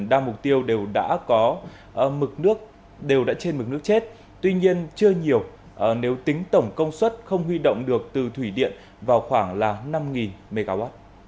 đa mục tiêu đều đã trên mực nước chết tuy nhiên chưa nhiều nếu tính tổng công suất không huy động được từ thủy điện vào khoảng năm mw